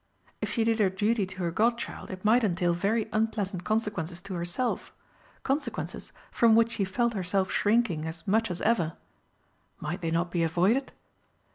If she did her duty to her godchild it might entail very unpleasant consequences to herself consequences from which she felt herself shrinking as much as ever. Might they not be avoided?